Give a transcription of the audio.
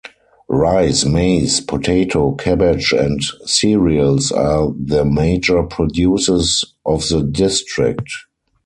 Rice, Maize, Potato, Cabbage and cereals are the major produces of the district.